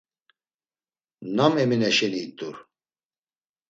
Nam Emine şeni it̆ur?